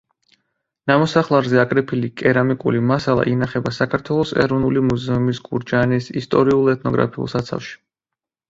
ნამოსახლარზე აკრეფილი კერამიკული მასალა ინახება საქართველოს ეროვნული მუზეუმის გურჯაანის ისტორიულ-ეთნოგრაფიულ საცავში.